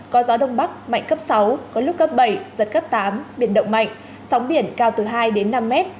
có gió đông bắc mạnh cấp sáu có lúc cấp bảy giật cấp tám biển động mạnh sóng biển cao từ hai đến năm mét